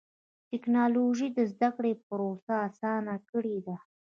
ټکنالوجي د زدهکړې پروسه اسانه کړې ده.